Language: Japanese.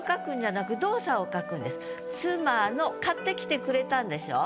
「夫の」買ってきてくれたんでしょ？